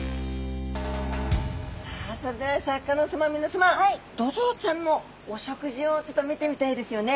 さあそれではシャーク香音さま皆さまドジョウちゃんのお食事をちょっと見てみたいですよね。